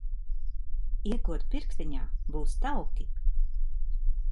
Iekod pirkstiņā, būs tauki.